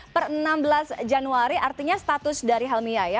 per enam belas januari artinya status dari helmi yaya